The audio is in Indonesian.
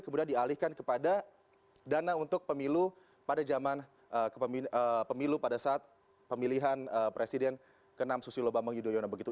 kemudian dialihkan kepada dana untuk pemilu pada zaman pemilu pada saat pemilihan presiden ke enam susilo bambang yudhoyono begitu